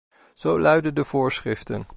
Zo luiden de voorschriften.